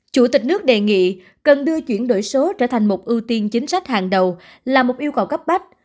chủ tịch nước đề nghị cần đưa chuyển đổi số trở thành một ưu tiên chính sách hàng đầu là một yêu cầu cấp bách